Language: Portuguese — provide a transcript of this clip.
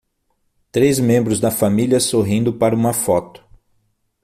Três membros da família sorrindo para uma foto.